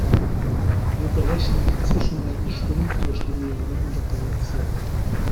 Wir berechnen die Zwischenwerte stumpf durch lineare Interpolation.